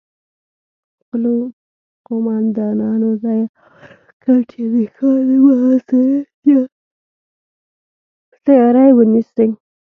خپلو قوماندانانو ته يې امر وکړ چې د ښار د محاصرې تياری ونيسي.